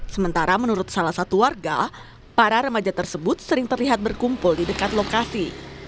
sementara menurut salah satu warga para remaja tersebut sering terlihat berkumpul di dekat lokasi